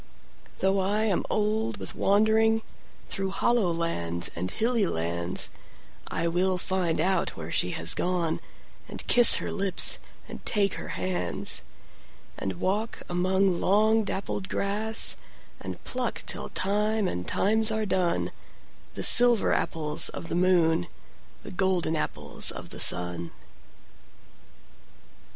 Though I am old with wanderingThrough hollow lands and hilly lands,I will find out where she has gone, And kiss her lips and take her hands; And walk among long dappled grass, And pluck till time and times are done, The silver apples of the moon, The golden apples of the sun.